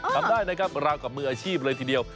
ทำได้นะครับราวกับมืออาชีพเลยทีเดียว